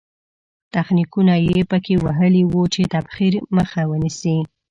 تخنیکونه یې په کې وهلي وو چې تبخیر مخه ونیسي.